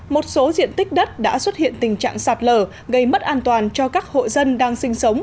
một số diện tích đất đã xuất hiện tình trạng sạt lở gây mất an toàn cho các hộ dân đang sinh sống